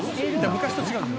「昔と違うんです」